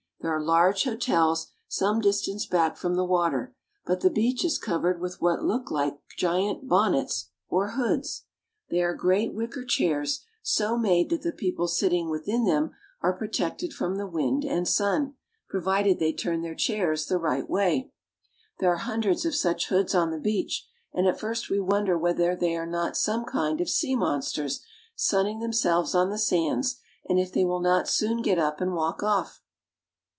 There are large hotels some distance back from the water, but the beach is covered with what look like giant bonnets or hoods. They are great wicker chairs, On the Way to Scheveningen. so made that the people sitting within them are pro tected from the wind and sun, provided they turn their chairs the right way. There are hundreds of such hoods on the beach, and at first we wonder whether they are not some kind of sea monsters sunning themselves on the sands, and if they will not soon get up and walk off.